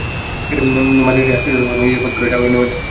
মাছটি আশ্চর্যজনকভাবে নিজের পথ করে সাগরে নেমে যায়।